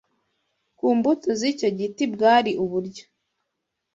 ku mbuto z’icyo giti bwari uburyo